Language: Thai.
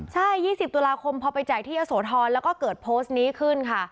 ใช่๒๐ตุลาคมพอไปจ่ายที่เยอะโสธรแล้วก็เกิดโพสต์นี้ขึ้นค่ะ